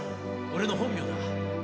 俺の本名だ。